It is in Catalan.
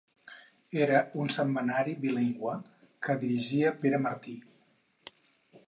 Era un setmanari bilingüe que dirigia Pere Martí.